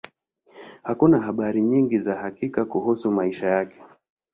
Hakuna habari nyingi za hakika kuhusu maisha yake.